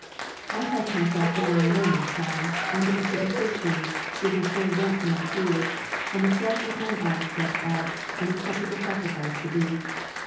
I cast myself down I know not how, under a certain fig tree, giving full vent to my tears ; and the floods of mine eyes gushed out, an acceptable sacrifice to Thee.